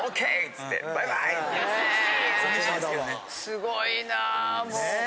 すごいなもう。